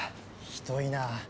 ひどいなあ。